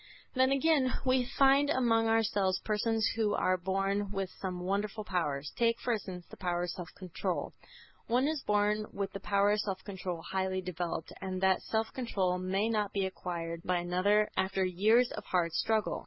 Then, again, we find among ourselves persons who are born with some wonderful powers. Take, for instance, the power of self control. One is born with the power of self control highly developed, and that self control may not be acquired by another after years of hard struggle.